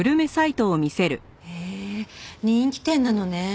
へえ人気店なのね。